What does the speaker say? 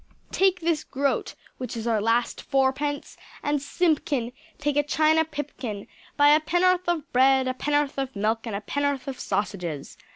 Take this groat (which is our last fourpence) and Simpkin, take a china pipkin; buy a penn'orth of bread, a penn'orth of milk and a penn'orth of sausages.